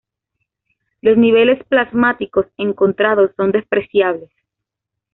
Los niveles plasmáticos encontrados son despreciables.